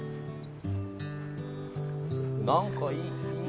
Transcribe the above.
「なんかいいな」